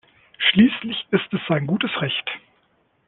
Schließlich ist es sein gutes Recht.